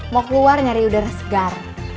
mau keluar nyari udara segar